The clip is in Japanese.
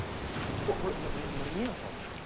これ何屋さんですか？